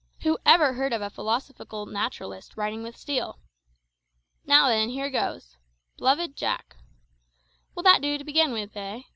Who ever heard of a philosophical naturalist writing with steel. Now, then, here goes: `B'luv'd Jack,' will that do to begin with, eh?